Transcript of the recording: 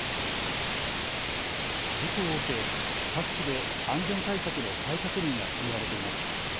事故を受け各地で安全対策の再確認が進められています。